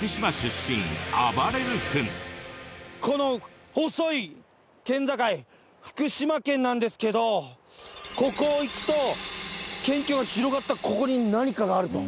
この細い県境福島県なんですけどここを行くと県境が広がったここに何かがあると。